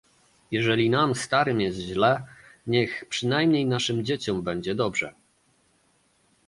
"Jeżeli nam starym jest źle, niech przynajmniej naszym dzieciom będzie dobrze."